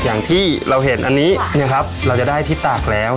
อย่างที่เราเห็นอันนี้นะครับเราจะได้ที่ตากแล้ว